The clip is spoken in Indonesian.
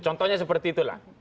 contohnya seperti itulah